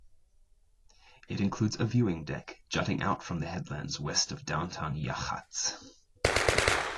It includes a viewing deck jutting out from the headlands west of downtown Yachats.